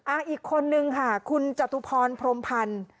อีกคนนึงค่ะคุณจตุพรพรมพันธ์